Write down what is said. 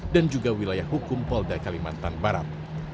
dan juga wilayah hukum polda kalimantan barat